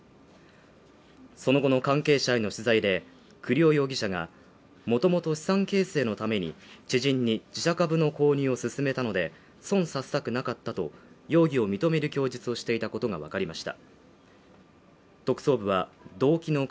その後の関係者への取材で、栗尾容疑者が、もともと資産形成のために知人に自社株の購入をすすめたので損させたくなかったと容疑を認める供述をしていたことがわかりました。